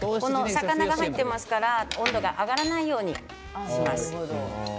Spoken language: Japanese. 魚が入っていますから温度が上がらないようにします。